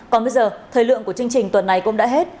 còn bây giờ thời lượng của chương trình tuần này cũng đã hết